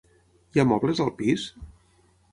Hi ha mobles al pis?